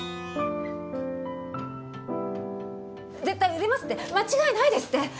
絶対売れますって間違いないですって！